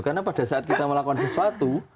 karena pada saat kita melakukan sesuatu